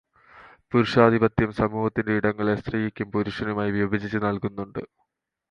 പുരുഷാധിപത്യം സമൂഹത്തിന്റെ ഇടങ്ങളെ സ്ത്രീക്കും പുരുഷനുമായി വിഭജിച്ചു നൽകുന്നുണ്ട്.